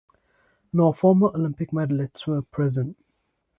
No former Olympic medalists were present.